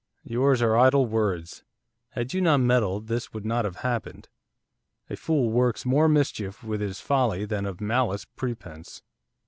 'Yours are idle words. Had you not meddled this would not have happened. A fool works more mischief with his folly than of malice prepense.